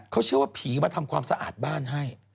เขาเชื่อว่าผีมาทำความสะอาดบ้านให้